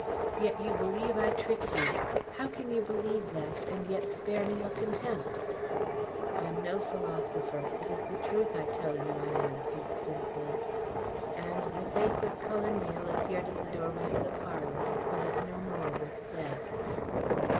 "Yet you believe I tricked you. How can you believe that, and yet spare me your contempt!" "I am no philosopher. It is the truth I tell you," I answered, simply; and the face of Cullen Mayle appeared at the doorway of the parlour, so that no more was said.